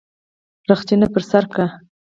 رخچينه پر سر که.